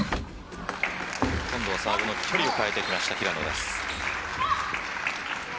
今度はサーブの距離を変えてきました平野です。